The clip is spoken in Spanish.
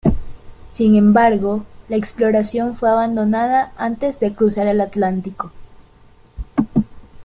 Sin embargo, la exploración fue abandonada antes de cruzar el Atlántico.